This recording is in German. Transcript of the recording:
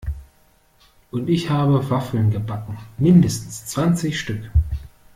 Und ich habe Waffeln gebacken, mindestens zwanzig Stück!